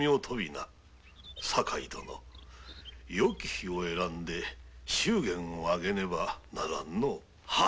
よき日を選び祝言を挙げねばならんのぅ。